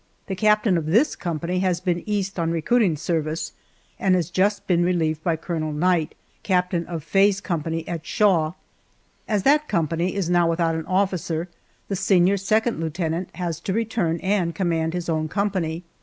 The captain of this company has been East on recruiting service, and has just been relieved by Colonel Knight, captain of Faye's company at Shaw; as that company is now without an officer, the senior second lieutenant has to return and command his own company.